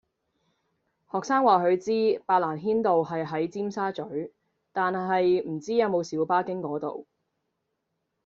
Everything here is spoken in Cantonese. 學生話佢知白蘭軒道係喺尖沙咀，但係唔知有冇小巴經嗰度